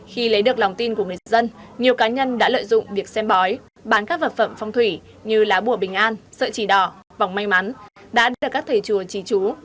khi lấy được lòng tin của người dân nhiều cá nhân đã lợi dụng việc xem bói bán các vật phẩm phong thủy như lá bùa bình an sợi chỉ đỏ vòng may mắn đã được các thầy chùa trí chú